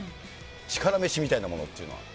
力飯みたいなものっていうのは。